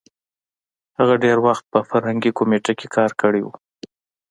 هغه ډېر وخت په فرهنګي کمېټه کې کار کړی وو.